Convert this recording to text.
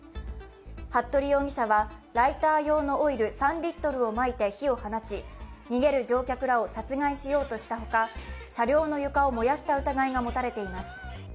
服部容疑者はライター用のオイル３リットルをまいて火を放ち逃げる乗客らを殺害しようとしたほか、車両の床を燃やした疑いが持たれています。